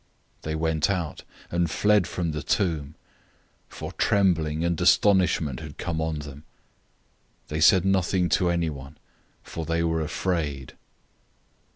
'" 016:008 They went out,{TR adds "quickly"} and fled from the tomb, for trembling and astonishment had come on them. They said nothing to anyone; for they were afraid.